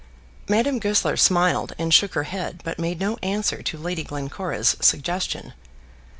Madame Goesler smiled, and shook her head, but made no answer to Lady Glencora's suggestion.